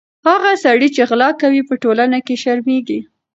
هغه سړی چې غلا کوي، په ټولنه کې شرمېږي.